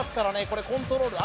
これコントロール